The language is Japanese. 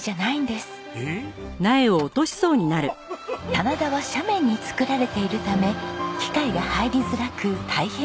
棚田は斜面に作られているため機械が入りづらく大変なんです。